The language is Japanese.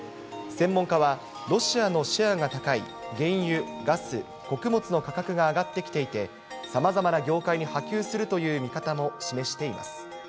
専門家は、ロシアのシェアが高い原油、ガス、穀物の価格が上がってきていて、さまざまな業界に波及するという見方も示しています。